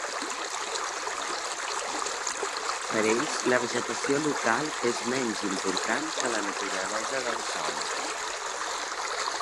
Per ells, la vegetació local és menys important que la naturalesa del sòl.